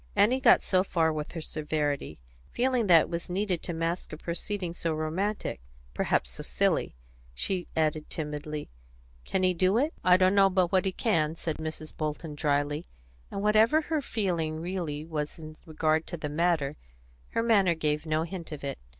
Annie got so far with her severity, feeling that it was needed to mask a proceeding so romantic, perhaps so silly. She added timidly, "Can he do it?" "I d'know but what he can," said Mrs. Bolton, dryly, and whatever her feeling really was in regard to the matter, her manner gave no hint of it.